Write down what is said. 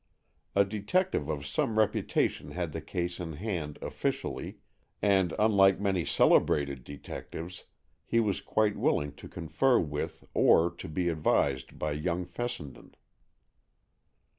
A detective of some reputation had the case in hand officially, and, unlike many celebrated detectives, he was quite willing to confer with or to be advised by young Fessenden.